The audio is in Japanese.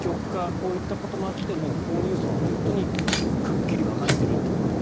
こういうこともあってもう購入層はくっきり分かれていると。